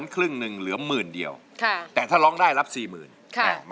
คุณสิงส์เสน่ห์